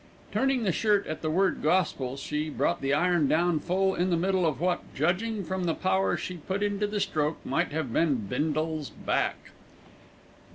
Turning the shirt at the word "gospel," she brought the iron down full in the middle of what, judging from the power she put into the stroke, might have been Bindle's back.